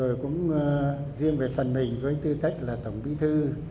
rồi cũng riêng về phần mình với tư cách là tổng bí thư